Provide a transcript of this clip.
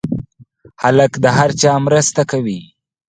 هلک د هر چا مرسته کوي.